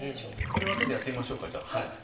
これはちょっとやってみましょうかじゃあ。